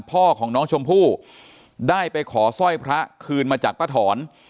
พ่อของน้องชมพู่ได้ไปขอสร้อยพระคืนมาจากป้าถอน